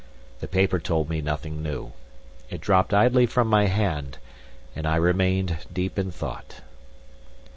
The paper told me nothing new. It dropped idly from my hand; and I remained deep in thought.